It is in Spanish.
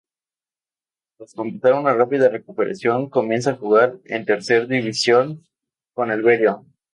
Tras completar una rápida recuperación, comienza a jugar en tercer división con el Berio.